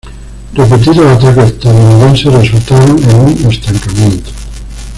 Repetidos ataques estadounidenses resultaron en un estancamiento.